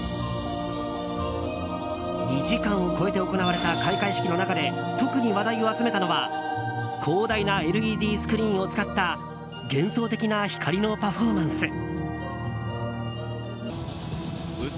２時間を超えて行われた開会式の中で特に話題を集めたのは広大なＬＥＤスクリーンを使った幻想的な光のパフォーマンス。